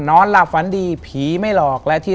นอนหลับฝันดีผีไม่หลอกและที่